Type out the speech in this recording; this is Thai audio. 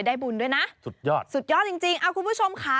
ได้บุญด้วยนะสุดยอดจริงเอ้าคุณผู้ชมค่ะ